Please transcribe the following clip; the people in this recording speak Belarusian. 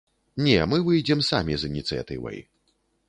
Не, мы выйдзем самі з ініцыятывай.